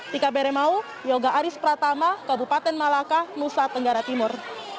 tika beremau yoga aris pratama kabupaten malaka nusa tenggara timur